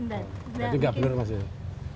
enggak enggak bikin